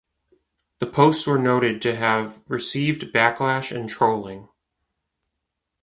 The posts were noted to have received backlash and trolling.